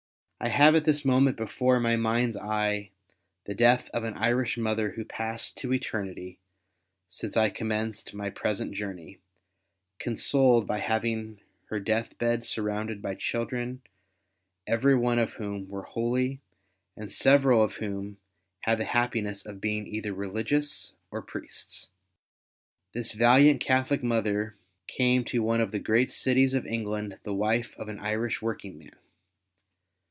I have at this moment before my mind's eye the death of an Irish mother who passed to eternity, since I com menced my present journey, consoled by having her death bed surrounded by children every one of whom were holy, and several of whom had the happiness of being either Eeligious or Priests. This valiant Catholic mother came to one of the great cities of England the wife of an Irish working man.